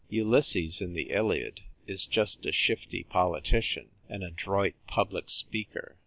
Ulysses in the Iliad is just a shifty politician, an adroit public speaker.